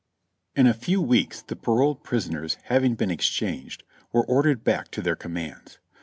In a few weeks the paroled prisoners having been exchanged, were ordered back to their commands.